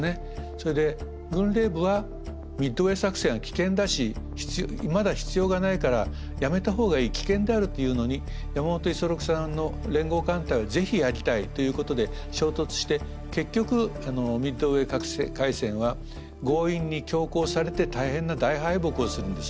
それで軍令部はミッドウェー作戦は危険だしまだ必要がないからやめたほうがいい危険であるというのに山本五十六さんの連合艦隊はぜひやりたいということで衝突して結局ミッドウェー海戦は強引に強行されて大変な大敗北をするんです。